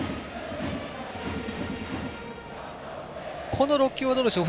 この６球はどうでしょう？